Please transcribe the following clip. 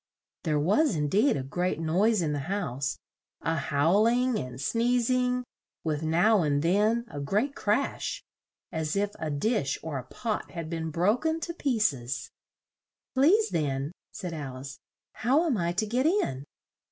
There was, in deed, a great noise in the house a howl ing and sneez ing, with now and then a great crash, as if a dish or a pot had been bro ken to piec es. "Please, then," said Al ice, "how am I to get in?"